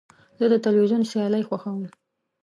زه د تلویزیون سیالۍ خوښوم.